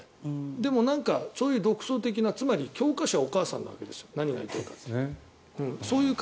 でも、なんか独創的なつまり教科書はお母さんなわけですよ何が言いたいかというと。